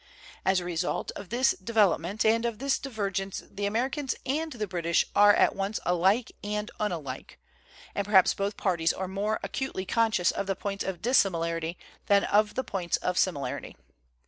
As a result of this development and of this divergence the Americans and the British are at once alike and unlike; and perhaps both parties are more acutely conscious of the points 70 WHAT IS AMERICAN LITERATURE? of dissimilarity than of the points of similarity.